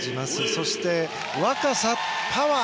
そして若さ、パワー。